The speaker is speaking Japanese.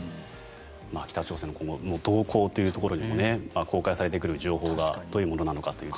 北朝鮮の今後の動向というところにも公開されてくる情報がどういうものなのかという。